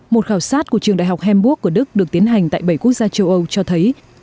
một khảo sát của trường đại học hamburg của đức được tiến hành tại bảy quốc gia châu âu cho thấy